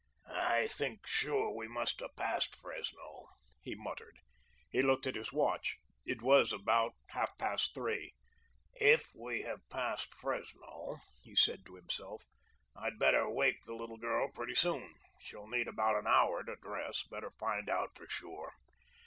"I think sure we must have passed Fresno," he muttered. He looked at his watch. It was about half past three. "If we have passed Fresno," he said to himself, "I'd better wake the little girl pretty soon. She'll need about an hour to dress. Better find out for sure."